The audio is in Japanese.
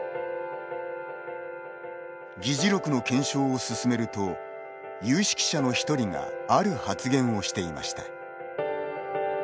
議事録の検証を進めると有識者の１人がある発言をしていました。